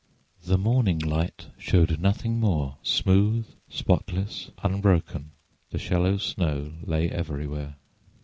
The morning light showed nothing more. Smooth, spotless, unbroken, the shallow snow lay everywhere.